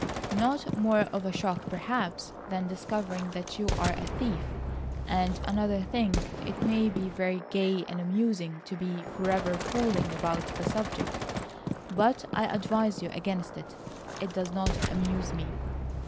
"Not more of a shock, perhaps, than discovering that you are a thief. And another thing, it may be very gay and amusing to be forever fooling about the subject, but I advise you against it. It does not amuse me."